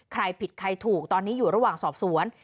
ใครผิดใครถูกตอนนี้อยู่ระหว่างสอบสวน